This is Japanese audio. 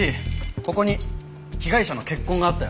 ここに被害者の血痕があったよ。